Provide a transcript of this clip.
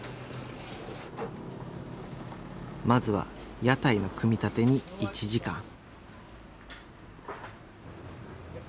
まずは屋台の組み立てに１時間。